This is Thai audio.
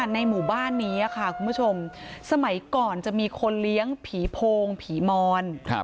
ในหมู่บ้านนี้ค่ะคุณผู้ชมสมัยก่อนจะมีคนเลี้ยงผีโพงผีมอน